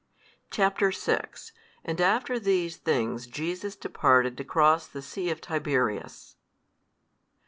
Chap. vi. And after these things Jesus departed across the sea of Tiberias.